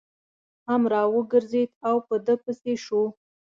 هم را وګرځېد او په ده پسې شو.